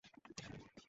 হেই, আমি কথা দেইনি!